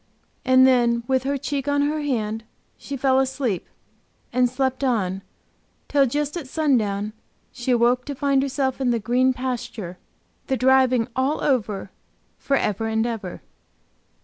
And then, with her cheek on her hand, she fell asleep, and slept on, till just at sundown she awoke to find herself in the green pasture, the driving all over for ever and ever.